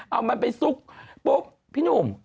เอามันไปซุกปุ๊บพี่หนุ่ม